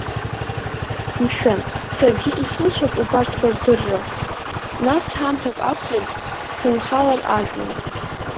Мшәан, саргьы исылшап убарҭқәа рдырра, нас ҳамҭак акәзаргь, сынхалар ажәҩан.